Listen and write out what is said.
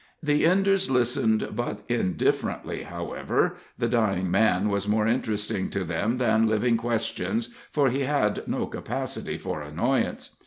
The Enders listened but indifferently, however; the dying man was more interesting to them than living questions, for he had no capacity for annoyance.